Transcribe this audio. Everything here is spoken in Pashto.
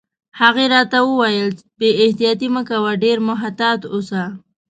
هغې راته وویل: بې احتیاطي مه کوه، ډېر محتاط اوسه.